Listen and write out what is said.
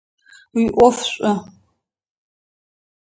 Уиӏоф шӏу!